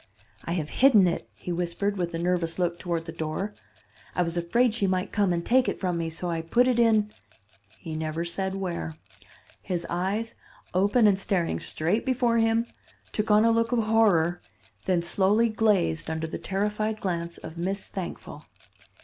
'I have hidden it,' he whispered, with a nervous look toward the door: 'I was afraid she might come and take it from me, so I put it in ' He never said where. His eyes, open and staring straight before him, took on a look of horror, then slowly glazed under the terrified glance of Miss Thankful.